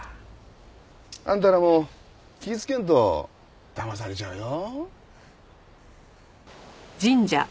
あんたらも気ぃつけんとだまされちゃうよ。